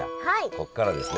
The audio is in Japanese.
ここからですね